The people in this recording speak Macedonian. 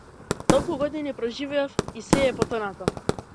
Толку години проживеав, и сѐ е потонато.